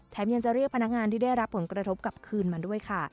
ยังจะเรียกพนักงานที่ได้รับผลกระทบกลับคืนมาด้วยค่ะ